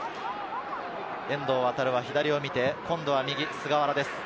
遠藤は左を見て、今度は右、菅原です。